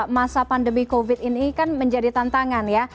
masa pandemi covid ini kan menjadi tantangan ya